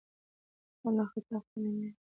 انسان له خطا خالي نه دی.